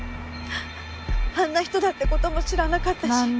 あんな人だって事も知らなかったし。